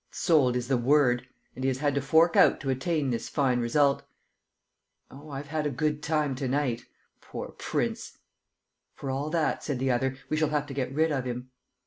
"Sold is the word. And he has had to fork out to attain this fine result! Oh, I've had a good time to night! ... Poor prince!" "For all that," said the other, "we shall have to get rid of him."